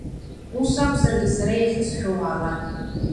Ус акәзаргьы, сара иахьысҳәо уаала.